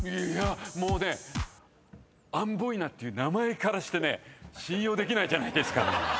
もうね「アンボイナ」っていう名前からしてね信用できないじゃないですか。